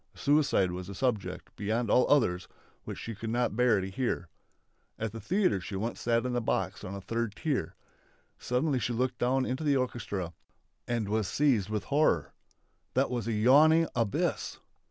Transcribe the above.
Suicide was a subject, beyond all others, which she could not bear to hear. At the theatre she once sat in a box on the third tier. Suddenly she looked down into the orchestra and was seized with horror. That was a yawning abyss!